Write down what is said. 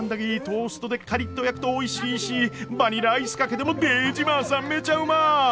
トーストでカリッと焼くとおいしいしバニラアイスかけてもデージマーサンめちゃうま。